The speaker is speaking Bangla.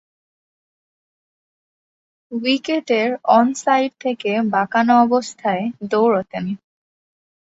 উইকেটের অন সাইড থেকে বাঁকানো অবস্থায় দৌঁড়তেন।